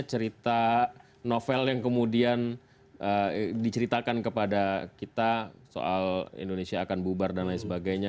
cerita novel yang kemudian diceritakan kepada kita soal indonesia akan bubar dan lain sebagainya